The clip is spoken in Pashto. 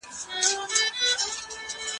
پدې سورت کي د تجارانو بحث سته.